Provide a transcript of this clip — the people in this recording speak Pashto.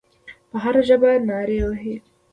په هره ژبه نارې وهي.